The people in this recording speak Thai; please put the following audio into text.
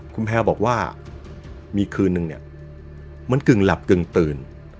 คุณแพลวบอกว่ามีคืนนึงเนี่ยมันกึ่งหลับกึ่งตื่น